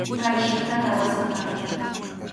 Kay chiqtata wasiman apay.